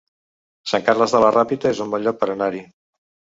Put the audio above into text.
Sant Carles de la Ràpita es un bon lloc per anar-hi